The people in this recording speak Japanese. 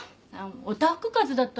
おたふくかぜだったのよ。